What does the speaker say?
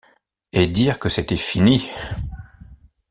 Et dire que c’était fini!